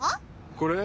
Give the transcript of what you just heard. これ？